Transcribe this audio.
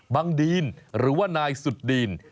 ดีนหรือว่านายสุดดีน